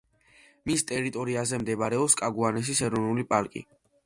მის ტერიტორიაზე მდებარეობს კაგუანესის ეროვნული პარკი.